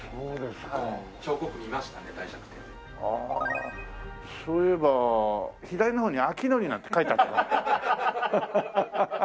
ああそういえば左の方に「昭則」なんて書いてあったかも。